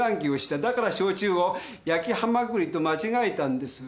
だから「焼酎」を「焼蛤」と間違えたんです。